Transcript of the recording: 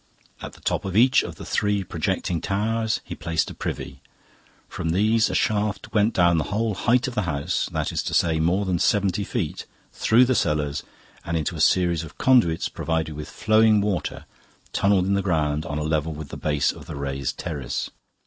At the top of each of the three projecting towers he placed a privy. From these a shaft went down the whole height of the house, that is to say, more than seventy feet, through the cellars, and into a series of conduits provided with flowing water tunnelled in the ground on a level with the base of the raised terrace.